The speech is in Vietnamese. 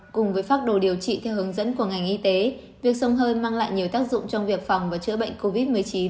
cùng với pháp đồ điều trị theo hướng dẫn của ngành y tế việc sống hơi mang lại nhiều tác dụng trong việc phòng và chữa bệnh covid một mươi chín